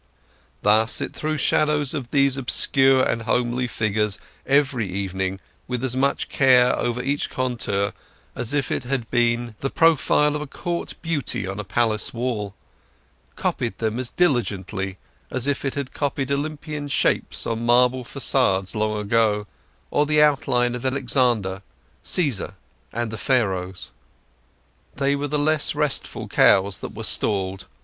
Thus it threw shadows of these obscure and homely figures every evening with as much care over each contour as if it had been the profile of a court beauty on a palace wall; copied them as diligently as it had copied Olympian shapes on marble façades long ago, or the outline of Alexander, Caesar, and the Pharaohs. They were the less restful cows that were stalled.